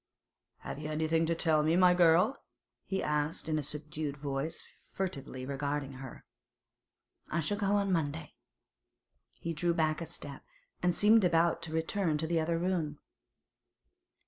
'Have you anything to tell me, my girl?' he asked in a subdued voice, furtively regarding her. 'I shall go on Monday.' He drew back a step, and seemed about to return to the other room.